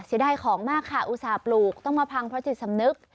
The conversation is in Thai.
เสียดายของมากค่ะอุตส่าห์ปลูกต้องมาพังเพราะจิตสำนึก